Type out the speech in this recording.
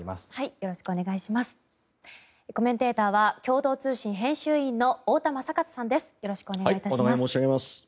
よろしくお願いします。